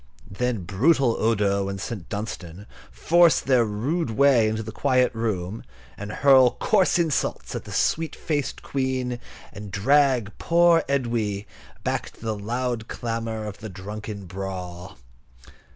Then brutal Odo and St. Dunstan force their rude way into the quiet room, and hurl coarse insults at the sweet faced Queen, and drag poor Edwy back to the loud clamour of the drunken brawl.